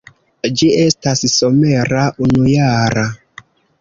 Ĝi estas somera unujara.